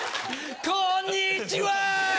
こんにちは！